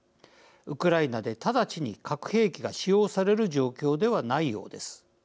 ウクライナで、直ちに核兵器が使用される状況ではないようです。